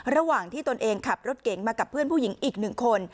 ระหว่างที่ตนเองขับรถเก๋งมากับเพื่อนผู้หญิงอีกหนึ่งคน